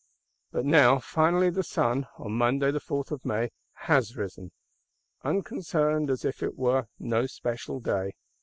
But now finally the Sun, on Monday the 4th of May, has risen;—unconcerned, as if it were no special day.